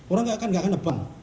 orang gak akan gak akan nebang